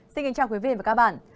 xin kính chào quý vị và các bạn